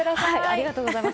ありがとうございます。